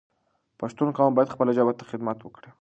پښتون قوم باید خپله ژبه ته خدمت وکړی